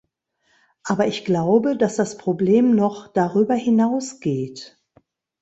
Aber ich glaube, dass das Problem noch darüber hinausgeht.